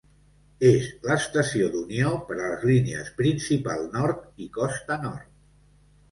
És l'estació d'unió per a les línies Principal Nord i Costa Nord.